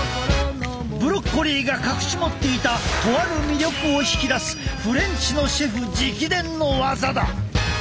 ブロッコリーが隠し持っていたとある魅力を引き出すフレンチのシェフ直伝のワザだ！